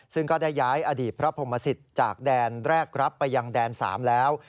ซึ่งก็ได้ย้ายอดีตพระพรหมสิตจากแดนแรกรับไปยังแดน๓แล้ว